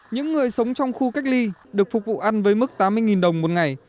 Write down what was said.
những người sống trong khu cách ly được phục vụ ăn với mức tám mươi đồng một ngày